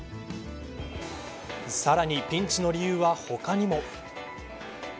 さらに、ピンチの理由は他にも。